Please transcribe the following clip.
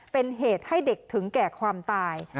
เป็นเหตุให้เด็กถึงแก่ความตาย